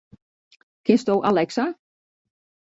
Kinsto Alexa?